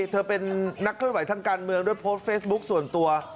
เธอเป็นนักเคลื่อนไหวทางการเมืองด้วยโพสต์เฟซบุ๊คส่วนตัว